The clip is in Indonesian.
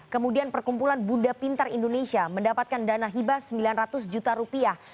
kemudian perkumpulan bunda pintar indonesia mendapatkan dana hibah sembilan ratus juta rupiah